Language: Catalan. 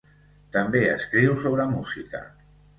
També escriu sobre música.